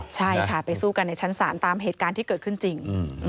ใช่ค่ะไปสู้กันในชั้นศาลตามเหตุการณ์ที่เกิดขึ้นจริง